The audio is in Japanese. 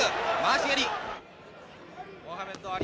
足蹴り！